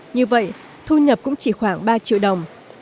như vậy thu nhập cũng chỉ khoảng ba triệu đồng